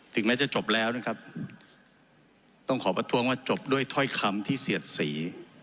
แม้จะจบแล้วนะครับต้องขอประท้วงว่าจบด้วยถ้อยคำที่เสียดสี